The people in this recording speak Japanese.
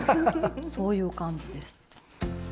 そういう感じです。